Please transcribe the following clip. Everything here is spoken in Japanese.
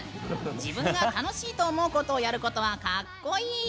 自分が楽しいと思うことをやることはかっこいい！